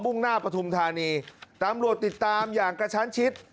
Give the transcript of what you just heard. ่งหน้าปฐุมธานีตำรวจติดตามอย่างกระชั้นชิด